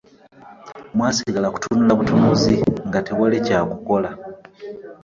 Mwasigala kutunula butunuzi nga tewali kya kukola.